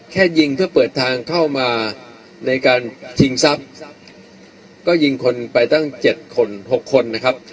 แค่ยิงเพื่อเปิดทางเข้ามาในการชิงทรัพย์ก็ยิงคนไปตั้ง๗คน๖คนนะครับ